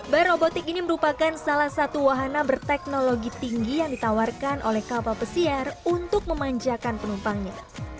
bar robotik ini merupakan salah satu wahana berteknologi tinggi yang ditawarkan oleh kapal pesiar untuk memanjakan penumpangnya